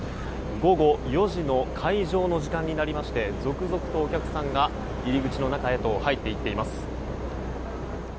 午後４時の開場の時間になりまして続々とお客さんが入り口の中へと入っていっています。